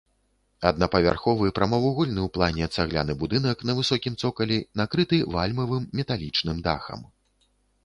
Аднапавярховы прамавугольны ў плане цагляны будынак на высокім цокалі, накрыты вальмавым металічным дахам.